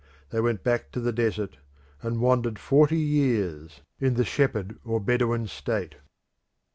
They went back to the desert, and wandered forty years in the shepherd or Bedouin state.